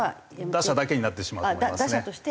打者だけになってしまうと思いますね。